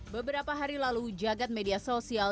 beberapa hari lalu jagad media sosial